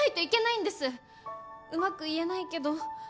うまく言えないけど。